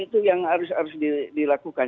itu yang harus dilakukan